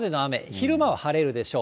昼間は晴れるでしょう。